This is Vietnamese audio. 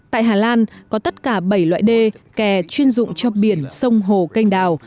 tại hà lan có tất cả bảy loại đê kè chuyên dụng cho biển sông hồ canh đào